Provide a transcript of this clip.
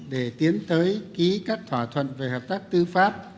để tiến tới ký các thỏa thuận về hợp tác tư pháp